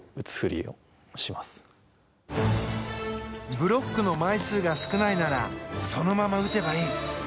ブロックの枚数が少ないならそのまま打てばいい。